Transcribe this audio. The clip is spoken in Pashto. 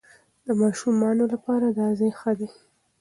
د ماشومانو لپاره دا ځای ښه دی.